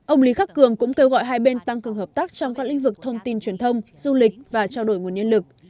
ông lý khắc cường cũng kêu gọi hai bên tăng cường hợp tác trong các lĩnh vực thông tin truyền thông du lịch và trao đổi nguồn nhân lực